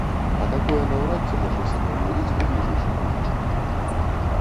А такое наўрад ці можна сабе ўявіць у бліжэйшым будучым.